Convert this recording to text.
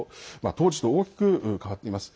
当時と大きく変わっています。